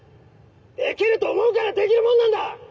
できると思うからできるもんなんだ！